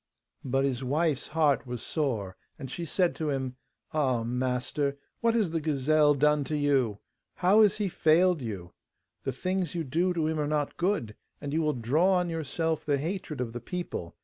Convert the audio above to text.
But his wife's heart was sore, and she said to him: 'Ah, master, what has the gazelle done to you? How has he failed you? The things you do to him are not good, and you will draw on yourself the hatred of the people.